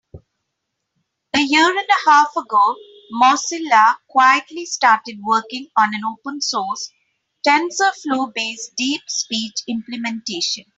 A year and a half ago, Mozilla quietly started working on an open source, TensorFlow-based DeepSpeech implementation.